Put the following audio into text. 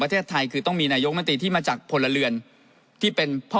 ประเทศไทยคือต้องมีนายกมนตรีที่มาจากพลเรือนที่เป็นพ่อ